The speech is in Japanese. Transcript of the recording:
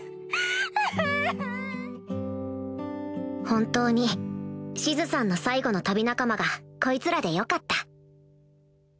本当にシズさんの最後の旅仲間がこいつらでよかった